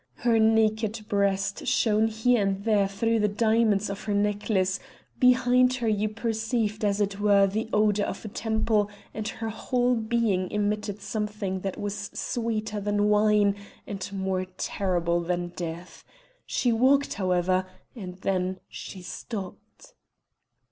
Her naked breast shone here and there through the diamonds of her necklace; behind her you perceived as it were the odour of a temple, and her whole being emitted something that was sweeter than wine and more terrible than death. She walked, however, and then she stopped."